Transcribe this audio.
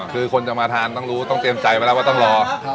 คือคนจะมาทานต้องรู้ต้องเตรียมใจไว้แล้วว่าต้องรอ